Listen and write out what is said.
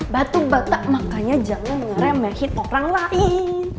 batu bata makanya jangan ngeramahin orang lain